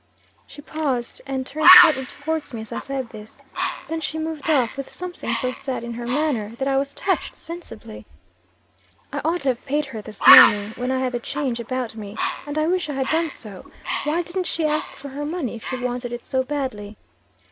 "She paused, and turned partly towards me as I said this. Then she moved off, with something so sad in her manner, that I was touched, sensibly. "'I ought to have paid her this morning when I had the change about me. And I wish I had done so. Why didn't she ask for her money if she wanted it so badly.'